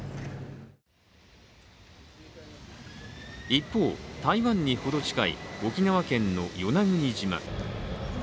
一方、台湾に程近い沖縄県の与那国島。